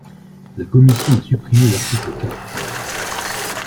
La commission a supprimé l’article quatre.